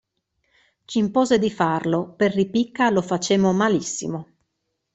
Ci impose di farlo, per ripicca lo facemmo malissimo.